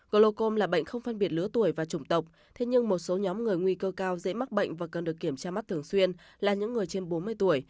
glocom là bệnh không phân biệt lứa tuổi và chủng tộc thế nhưng một số nhóm người nguy cơ cao dễ mắc bệnh và cần được kiểm tra mắt thường xuyên là những người trên bốn mươi tuổi